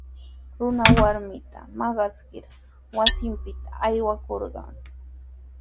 Runa warminta maqaskir wasinpita aywakurqan.